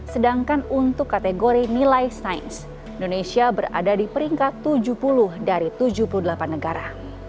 sedangkan untuk kategori nilai sains indonesia berada di peringkat tujuh puluh dari tujuh puluh delapan negara